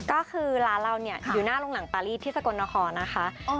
ก็คือร้านเราเนี่ยอยู่หน้าโรงหนังปารีสที่สกลนครนะคะ